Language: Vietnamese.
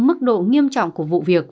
mức độ nghiêm trọng của vụ việc